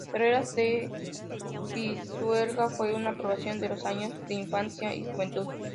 Herrera de Pisuerga fue su población de los años de infancia y juventud.